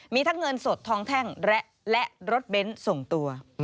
มีทั้งเงินสดทองแท่งและรถเบนท์ส่งตัว